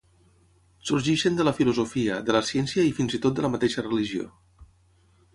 Sorgeixen de la filosofia, de la ciència i fins i tot de la mateixa religió.